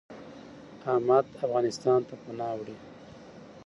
احمد افغانستان ته پناه وړي .